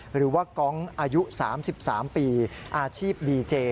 หรือว่ากองอายุ๓๓ปีอาชีพดีเจ